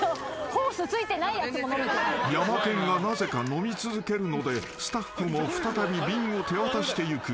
［ヤマケンがなぜか飲み続けるのでスタッフも再び瓶を手渡していく］